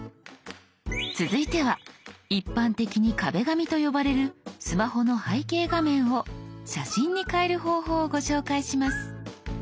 続いては一般的に「壁紙」と呼ばれるスマホの背景画面を写真に変える方法をご紹介します。